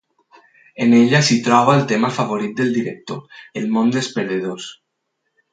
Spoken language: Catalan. En ella s'hi troba el tema favorit del director: el món dels perdedors.